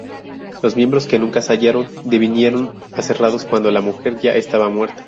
Los miembros que nunca se hallaron devinieron aserrados cuando la mujer ya estaba muerta.